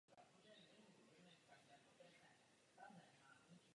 Následuje po čísle devět set padesát a předchází číslu devět set padesát dva.